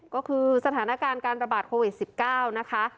ก็คือสถานการณ์การระบาดโควิด๑๙นะคะ